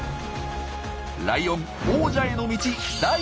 ライオン王者への道第２弾！